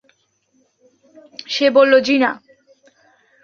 সে বলল, জ্বী না।